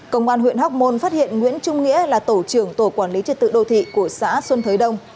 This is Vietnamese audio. công an huyện hóc môn phát hiện nguyễn trung nghĩa là tổ trưởng tổ quản lý trật tự đô thị của xã xuân thới đông